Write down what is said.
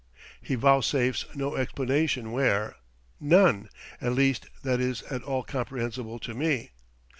He vouchsafes no explanation where; none, at least, that is at all comprehensible to me.